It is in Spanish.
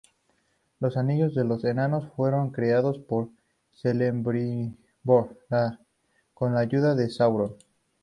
Los Anillos de los Enanos fueron creados por Celebrimbor, con la ayuda de Sauron.